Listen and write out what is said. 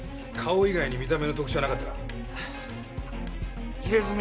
顔以外に見た目の特徴はなかったか？